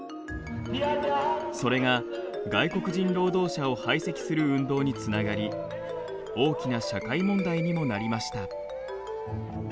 それが外国人労働者を排斥する運動につながり大きな社会問題にもなりました。